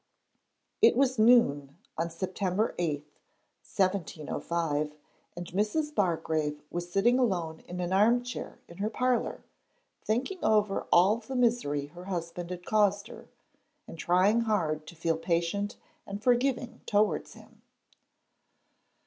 It was noon, on September 8, 1705, and Mrs. Bargrave was sitting alone in an armchair in her parlour, thinking over all the misery her husband had caused her and trying hard to feel patient and forgiving towards him.